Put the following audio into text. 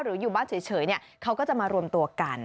อยู่บ้านเฉยเขาก็จะมารวมตัวกัน